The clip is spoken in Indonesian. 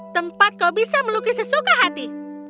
tempat kau bisa melukis sesuka hati